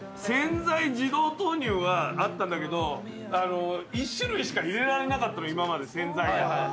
洗剤自動投入はあったんだけど１種類しか入れられなかったの今まで洗剤が。